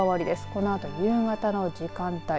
このあと夕方の時間帯